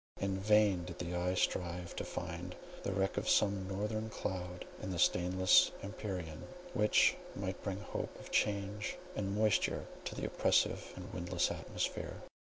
In vain did the eye strive to find the wreck of some northern cloud in the stainless empyrean, which might bring hope of change and moisture to the oppressive and windless atmosphere.